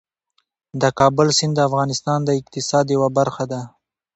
د کابل سیند د افغانستان د اقتصاد یوه برخه ده.